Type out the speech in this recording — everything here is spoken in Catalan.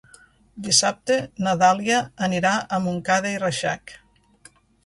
Dissabte na Dàlia anirà a Montcada i Reixac.